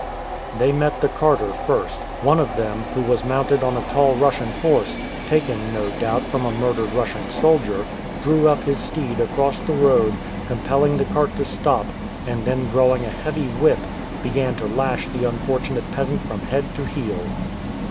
They met the carter first. One of them, who was mounted on a tall Russian horse, taken no doubt from a murdered Russian soldier, drew up his steed across the road, compelling the cart to stop, and then drawing a heavy whip, began to lash the unfortunate peasant from head to heel.